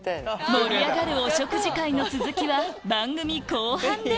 盛り上がるお食事会の続きは番組後半で！